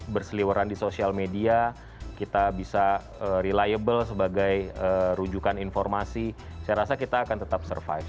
berseliweran di sosial media kita bisa reliable sebagai rujukan informasi saya rasa kita akan tetap survive